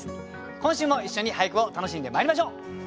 今週も一緒に俳句を楽しんでまいりましょう。